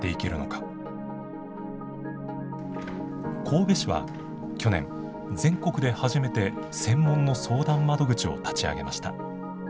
神戸市は去年全国で初めて専門の相談窓口を立ち上げました。